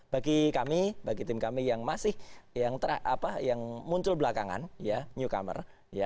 bagi kami bagi tim kami yang masih yang muncul belakangan ya newcomer